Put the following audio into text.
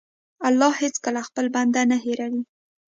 الله هېڅکله خپل بنده نه هېروي.